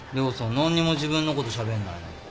何にも自分のことしゃべんないのに。